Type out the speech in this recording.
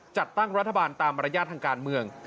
จัดตั้งรัฐบาลตามมารยาททางการเมือง